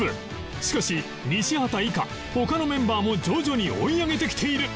しかし西畑以下他のメンバーも徐々に追い上げてきている